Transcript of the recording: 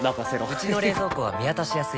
うちの冷蔵庫は見渡しやすい